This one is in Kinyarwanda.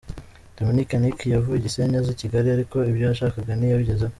Dominic Nic yavuye i Gisenyi aza i Kigali ariko ibyo yashakaga ntiyabigezeho.